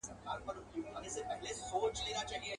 ته رانغلې پر دې لاره ستا قولونه ښخومه.